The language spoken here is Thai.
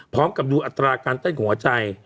พร้อมกับดูอัตราการเต้นของหัวใจ